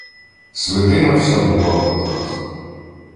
Свитина вся була в латках.